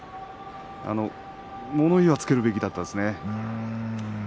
物言いはつけるべきだったですよね。